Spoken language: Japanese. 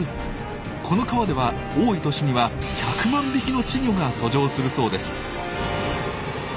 この川では多い年には１００万匹の稚魚が遡上するそうです。